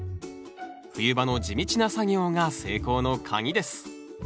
冬場の地道な作業が成功のカギです